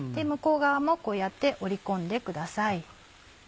向こう側もこうやって折り込んでください。